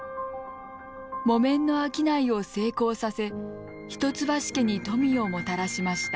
木綿の商いを成功させ一橋家に富をもたらしました。